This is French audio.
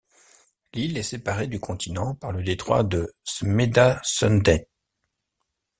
L'île est séparée du continent par le détroit du Smedasundet.